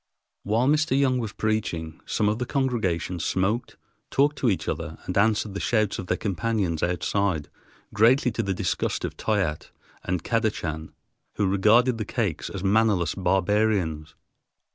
While Mr. Young was preaching, some of the congregation smoked, talked to each other, and answered the shouts of their companions outside, greatly to the disgust of Toyatte and Kadachan, who regarded the Kakes as mannerless barbarians.